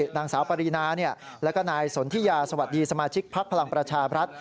นางสาวปรินาแล้วก็นายสนทิยาสวัสดีสมาชิกพักพลังประชาบรัฐ